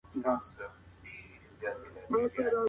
زه کولای سم پاکوالی وکړم.